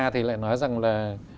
thì lại nói rằng là